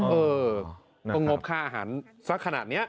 เออก็งบค่าอาหารสักขนาดนี้